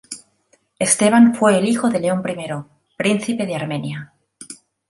Esteban fue el hijo de León I, príncipe de Armenia.